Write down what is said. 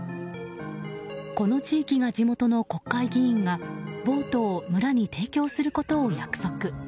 この地域が地元の国会議員がボートを村に提供することを約束。